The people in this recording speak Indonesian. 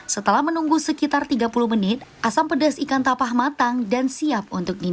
setelah menunggu sekitar tiga puluh menit asam pedas ikan tapah matang dan siap untuk dinilai